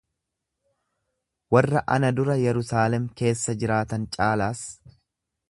warra ana dura Yerusaalem keessa jiraatan caalaas